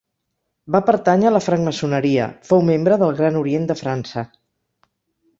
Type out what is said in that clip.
Va pertànyer a la francmaçoneria, fou membre del Gran Orient de França.